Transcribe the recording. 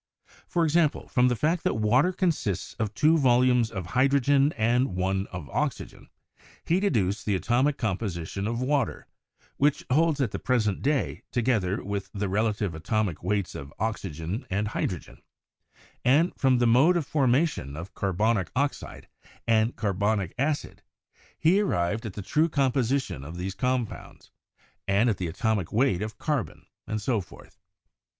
For , example, from the fact that water consists of two volumes of hydrogen and one of oxygen, he deduced the atomic composition of water which holds at the present day, to gether with the relative atomic weights of oxygen and hy drogen; and from the mode of formation of carbonic ox ide and carbonic acid he arrived at the true composition 206 CHEMISTRY of these compounds, and at the atomic weight of carbon, and so forth.